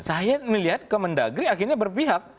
saya melihat kemendagri akhirnya berpihak